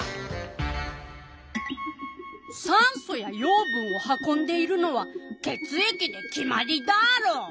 酸素や養分を運んでいるのは血液で決まりダロ！